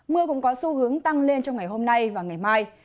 mưa cũng có xu hướng tăng lên trong ngày hôm nay và ngày mai